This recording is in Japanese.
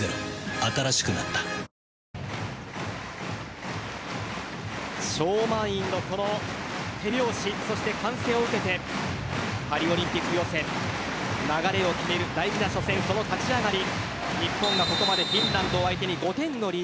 新しくなった超満員のこの手拍子そして歓声を受けてパリオリンピック予選流れを決める大事な初戦その立ち上がり